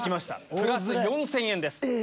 プラス４０００円です。